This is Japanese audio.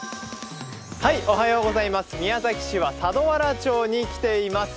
宮崎市は佐土原町に来ています。